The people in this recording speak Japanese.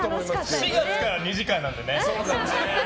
４月から２時間になるのでね。